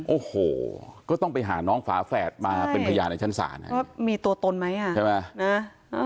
โอ้โหก็ต้องไปหาน้องฝาแฝดมาเป็นพยานในชั้นศาลว่ามีตัวตนไหมอ่ะใช่ไหม